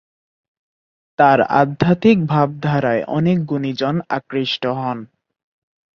তাঁর আধ্যাত্মিক ভাবধারায় অনেক গুণীজন আকৃষ্ট হন।